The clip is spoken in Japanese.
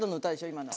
今の。